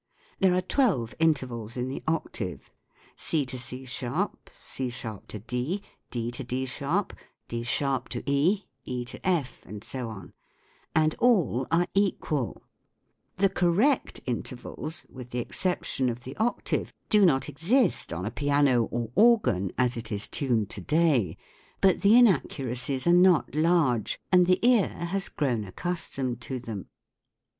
There are twelve intervals in the octave, C to C sharp, C sharp to D, D to D sharp, D sharp to E, E to F, and so on ; and all are equal The correct intervals, with the exception of the octave, do not exist on a piano or organ as it is tuned to day. But the inaccuracies are not large and the ear has grown accustomed to them.